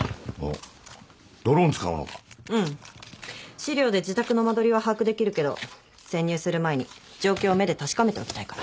資料で自宅の間取りは把握できるけど潜入する前に状況を目で確かめておきたいから。